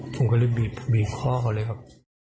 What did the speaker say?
ผมก็เลือกบีบบีบค่าเขาเลยครับ